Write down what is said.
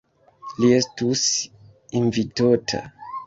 Li estus invitota.